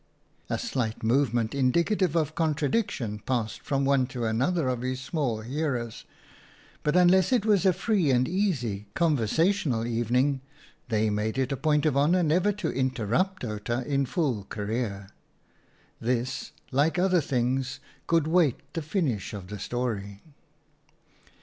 A slight movement, indicative of contra diction, passed from one to another of his small hearers, but — unless it was a free and easy, conversational evening — they made it a point of honour never to interrupt Outa in full career. This, like other things, could await the finish of the story.